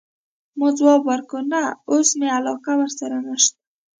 ما ځواب ورکړ: نه، اوس مي علاقه ورسره نشته.